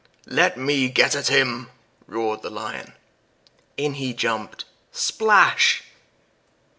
"Let me get at him!" roared the Lion. In he jumped splash!